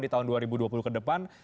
di tahun dua ribu dua puluh ke depan